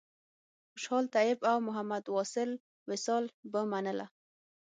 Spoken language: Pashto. خوشحال طیب او محمد واصل وصال به منله.